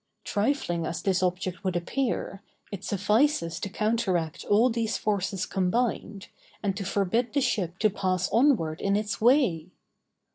Trifling as this object would appear, it suffices to counteract all these forces combined, and to forbid the ship to pass onward in its way!